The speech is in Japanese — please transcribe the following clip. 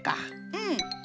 うん。